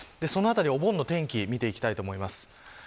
お盆の天気を見ていきたいと思います。